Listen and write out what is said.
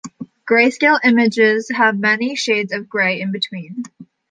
Grayscale images have many shades of gray in between.